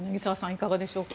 いかがでしょうか。